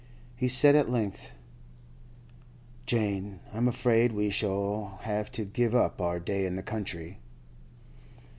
He said at length: 'Jane, I'm afraid we shall have to give up our day in the country.